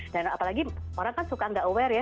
dan apalagi orang kan suka nggak aware ya